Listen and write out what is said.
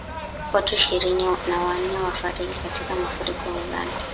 Watu ishirini na wanne wafariki katika mafuriko Uganda